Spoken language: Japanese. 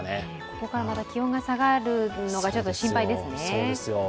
ここからまた気温が下がるのがちょっと心配ですね。